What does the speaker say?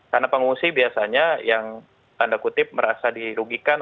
karena pengungsi biasanya yang tanda kutip merasa dirugikan